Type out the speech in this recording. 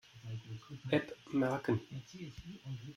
App merken.